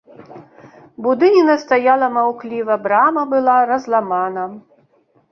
Будыніна стаяла маўкліва, брама была разламана.